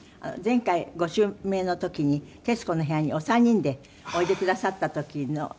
前回ご襲名の時に『徹子の部屋』にお三人でおいでくださった時のちょっとＶＴＲを。